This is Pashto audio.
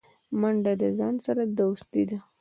منډه د ځان سره دوستي ده